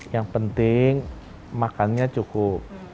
yang penting makannya cukup